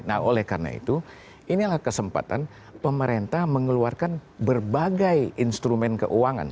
nah oleh karena itu inilah kesempatan pemerintah mengeluarkan berbagai instrumen keuangan